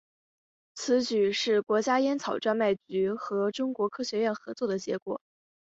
此举是国家烟草专卖局和中国科学院合作的结果。